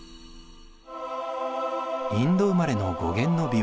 インド生まれの五絃の琵琶。